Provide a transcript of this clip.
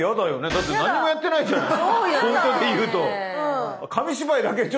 だって何にもやってないじゃない。